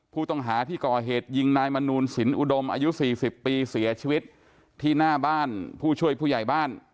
ผู้ต้องหาที่ก่อเหตุยิงนายมนูลสินอุดมอายุ๔๐ปีเสียชีวิตที่หน้าบ้านผู้ช่วยผู้ใหญ่บ้าน